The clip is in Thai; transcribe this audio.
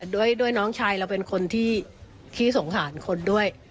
ด้วยน้องชายเราเป็นคนที่ขี้สงสารคนด้วย